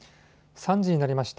３時になりました。